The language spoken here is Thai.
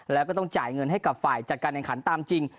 แล้วก็ต้องจ่ายเงินให้กับฝ่ายจัดการแข่งขันตามจริง